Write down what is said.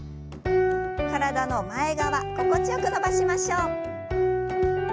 体の前側心地よく伸ばしましょう。